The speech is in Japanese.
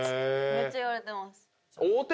めっちゃ言われてます。